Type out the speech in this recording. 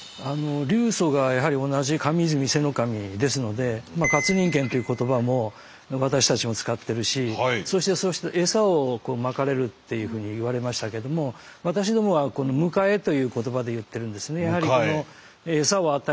流祖がやはり同じ上泉伊勢守ですので活人剣という言葉も私たちも使ってるしそしてエサをまかれるっていうふうに言われましたけども私どもは「迎え」という言葉で言ってるんですね。